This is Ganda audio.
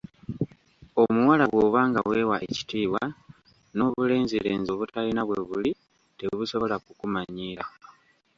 Omuwala bw'oba nga weewa ekitiibwa, n'obulenzilenzi obutalina bwe buli tebusola kukumanyiira.